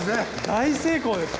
大成功です。